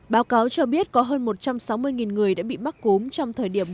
báo cáo cho biết có hơn một trăm sáu mươi người đã bị bắt cúm trong thời điểm một tháng